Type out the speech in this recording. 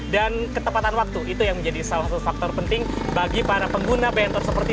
dan ketepatan waktu itu yang menjadi salah satu faktor penting bagi para pengguna bentor seperti